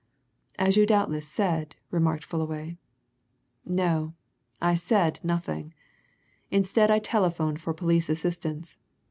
"As you doubtless said," remarked Fullaway. "No I said nothing. Instead I telephoned for police assistance.